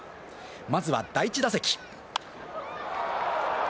まずは第１打席。